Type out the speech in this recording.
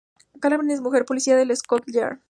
Gala Brand es una mujer policía de la Scotland Yard.